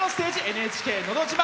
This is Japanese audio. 「ＮＨＫのど自慢」